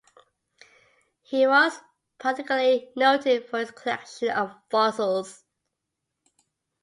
He was particularly noted for his collection of fossils.